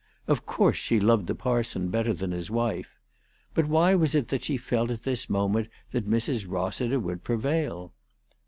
Of course she loved the parson better than his wife. But why was it that she felt at this moment that Mrs. Rossiter would prevail